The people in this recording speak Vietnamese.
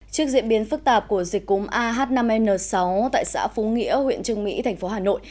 trước diễn biến phức tạp của dịch cúng ah năm n sáu tại xã phú nghĩa huyện trương mỹ thành phố hà nội